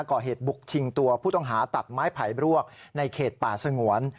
ก่อเหตุบุกชิงตัวผู้ต้องหาตัดไม้ไผ่บรวกในเขตป่าสงวน